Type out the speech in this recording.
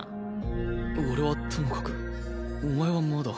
俺はともかくお前はまだ。